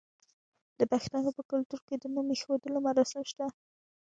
د پښتنو په کلتور کې د نوم ایښودلو مراسم شته.